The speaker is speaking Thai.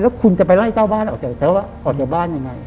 แล้วคุณจะไปไล่เจ้าบ้านออกจากเจ้าบ้านยังไง